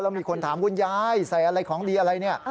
มีคนถามคุณยายใส่อะไรของดีอะไรเนี่ย